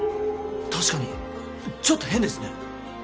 確かにちょっと変ですね。